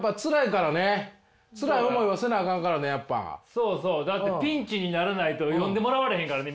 そうそうだってピンチにならないと読んでもらわれへんからね